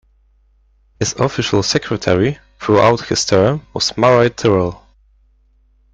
His Official Secretary throughout his term was Murray Tyrrell.